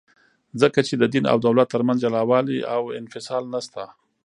ځکه چي د دین او دولت ترمنځ جلاوالي او انفصال نسته.